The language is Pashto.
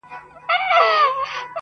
ډیري مو په هیله د شبقدر شوګیرۍ کړي!.